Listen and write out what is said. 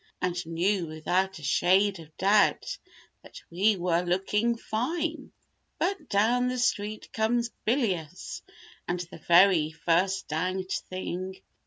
And knew without a shade of doubt that we were looking fine— But down the street comes "Bilious" and the very first danged thing.